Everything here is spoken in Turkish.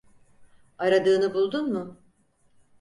Aradığını buldun mu?